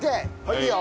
いいよ